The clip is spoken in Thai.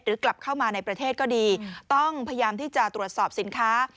กลับเข้ามาในประเทศก็ดีต้องพยายามที่จะตรวจสอบสินค้า